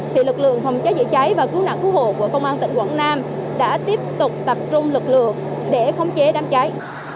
thì lực lượng phòng cháy chữa cháy và cứu nạn cứu hộ của công an tỉnh quảng nam đã tiếp tục tập trung lực lượng để khống chế đám cháy